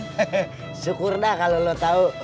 syukur dah kalau lo tau